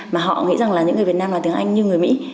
mà họ nghĩ rằng là những người việt nam là tiếng anh như người mỹ